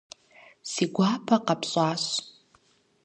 Си гуапэ къэфщӀащ.